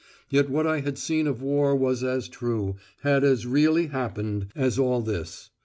Yet what I had seen of war was as true, had as really happened, as all this.